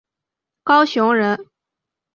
高雄人。